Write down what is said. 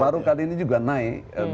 baru kali ini juga naik